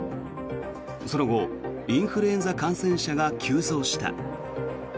その後、インフルエンザ感染者が急増した。